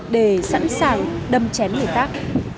để sẵn sàng đâm chém người tác